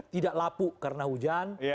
tidak lapu karena hujan